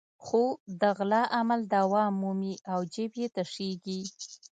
خو د غلا عمل دوام مومي او جېب یې تشېږي.